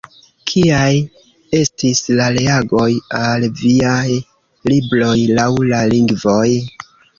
Kiaj estis la reagoj al viaj libroj laŭ la lingvoj?